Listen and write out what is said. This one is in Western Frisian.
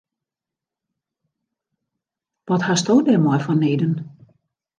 Wat hasto dêrmei fanneden?